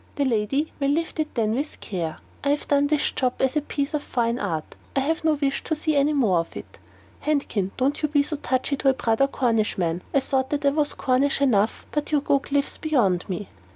The lady may lift it then with care. I have done this job as a piece of fine art; I have no wish to see any more of it." "Handkin, don't you be so touchy to a brother Cornishman. I thought that I was Cornish enough, but you go cliffs beyond me."